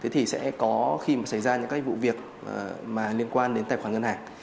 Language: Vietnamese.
thì sẽ có khi mà xảy ra những cái vụ việc mà liên quan đến tài khoản ngân hàng